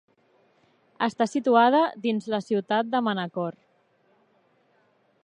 Està situada dins la ciutat de Manacor.